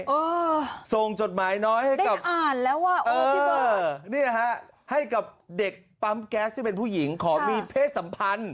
ลองส่งจดหมายน้อยให้กับเด็กปั๊มแก๊สที่เป็นผู้หญิงขอมีเพศสัมพันธ์